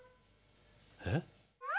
えっ？